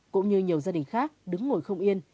cũng như nhiều gia đình khác đứng ngồi không yên